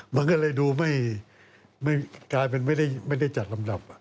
มันก็เลยดูไม่กลายเป็นไม่ได้จัดลำดับ